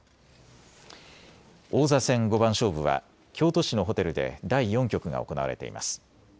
王座戦五番勝負は京都市のホテルで第４局が行われています。